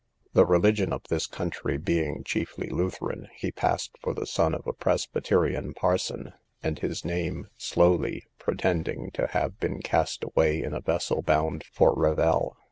The religion of this country being chiefly Lutheran, he passed for the son of a presbyterian parson, and his name Slowly, pretending to have been cast away in a vessel bound for Revel.